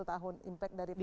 satu tahun impact dari pada